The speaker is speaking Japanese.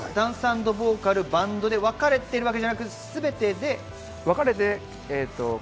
ダンス＆ボーカル、バンドでわかれているわけじゃなくて、全てで。